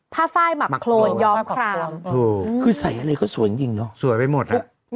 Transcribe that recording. ผ้าไฟมักโครนยอมคลามคือใส่อะไรก็สวยจริงเนอะสวยไปหมด